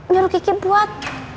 biar kiki buat